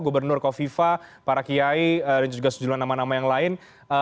gubernur kofifa para kiai dan juga sejumlah nama nama yang lain